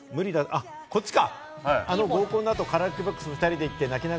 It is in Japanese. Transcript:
あっ、こっちか！